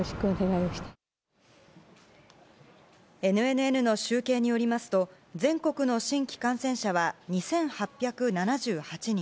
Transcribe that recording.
ＮＮＮの集計によりますと全国の新規感染者は２８７８人。